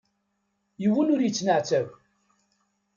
Yiwen ur yettenɛettab.